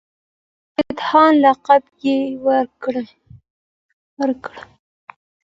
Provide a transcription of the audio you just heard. د پتهان لقب یې ورکړ.